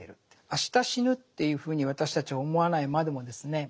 明日死ぬっていうふうに私たちは思わないまでもですね